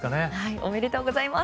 おめでとうございます。